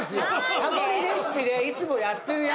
タモリレシピでいつもやってるやつ。